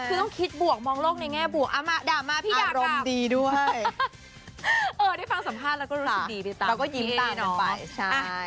คือต้องคิดบวกมองโลกในแง่บวกอ่ะมาด่ามาอารมณ์ดีด้วยพี่เอ๊กกรับเออได้ฟังสัมภาษณ์แล้วก็รู้สึกดีไปตามพี่เอ๊แล้วก็ยิ้มต่างกันไปใช่